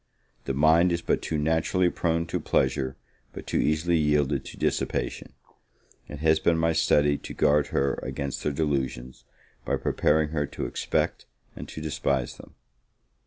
The mind is but too naturally prone to pleasure, but too easily yielded to dissipation: it has been my study to guard her against their delusions, by preparing her to expect and to despise them.